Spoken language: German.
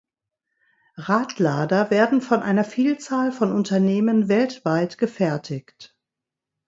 Radlader werden von einer Vielzahl von Unternehmen weltweit gefertigt.